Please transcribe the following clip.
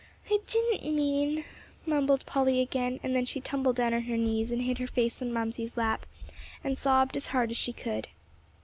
"I didn't mean " mumbled Polly again, and then she tumbled down on her knees and hid her face on Mamsie's lap, and sobbed as hard as she could.